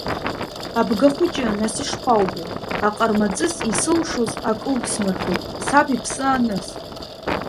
Абгахәыҷы нас ишԥоубо, Аҟармаҵыс, исылшоз ак угсмырхеит, саб иԥсы аныс.